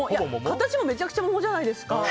形もめちゃくちゃ桃じゃないですか。